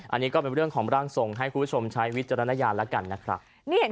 อันนี้ก็เป็นเรื่องของร่างทรงให้คุณผู้ชมใช้วิจารณญาณแล้วกันนะครับ